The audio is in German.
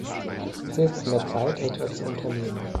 Es ist an der Zeit, etwas zu unternehmen.